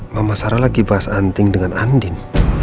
mama sarah lagi bahas anting dengan andin